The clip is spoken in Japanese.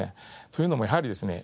というのもやはりですね